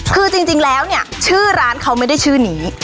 คือจริงแล้วเนี่ยชื่อร้านเขาไม่ได้ชื่อนี้